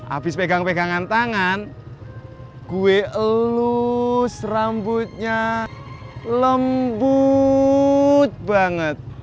abis pegang pegangan tangan gue elus rambutnya lembuuut banget